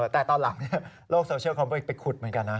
แต่ตอนหลังโลกโซเชียลเขาไปขุดเหมือนกันนะ